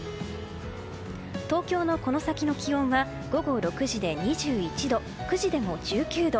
東京のこの先の気温は午後６時で２１度９時でも１９度。